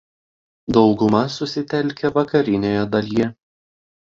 Dauguma susitelkę vakarinėje dalyje.